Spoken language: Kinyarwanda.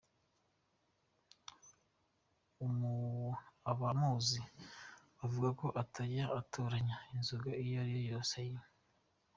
Abamuzi bavuga ko atajya atoranya, inzoga iyo ariyo yose ayinywa.